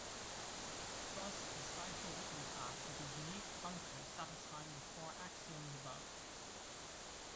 Thus the Stiefel-Whitney class is the unique functor satisfying the four axioms above.